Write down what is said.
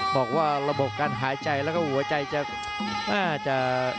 บอกว่าระบบการหายใจแล้วก็หัวใจจะ